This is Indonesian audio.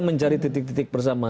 mencari titik titik bersama